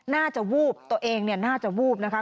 วูบตัวเองเนี่ยน่าจะวูบนะคะ